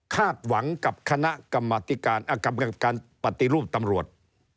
คาดหวังกับคณะกรรมการปฏิรูปตำรวจ